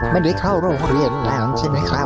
ไม่ได้เข้าโรงเรียนร้านใช่ไหมคะ